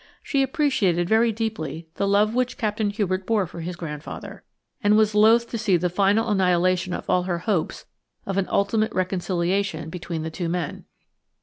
She appreciated very deeply the love which Captain Hubert bore for his grandfather, and was loath to see the final annihilation of all her hopes of an ultimate reconciliation between the two men.